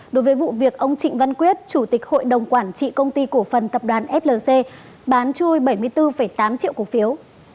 đối với vụ việc ông trịnh văn quyết chủ tịch hội đồng quản trị công ty cổ phần tập đoàn flc bán chui bảy mươi bốn tám triệu cổ phiếu